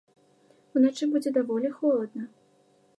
Уначы будзе даволі холадна.